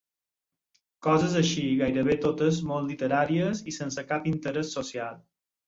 Coses així, gairebé totes molt literàries i sense cap interès social.